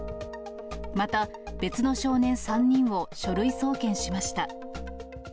また、別の少年３人を書類送検しました。